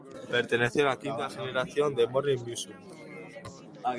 Perteneció a la quinta generación de Morning Musume.